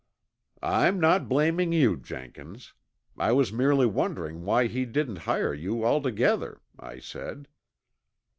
"I'm not blaming you, Jenkins. I was merely wondering why he didn't hire you altogether," I said.